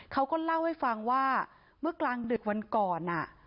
เขาก็เล่าให้ฟังว่าเมื่อกลางดึกวันก่อน